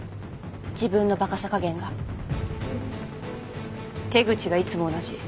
自分のバカさ加減が」手口がいつも同じ。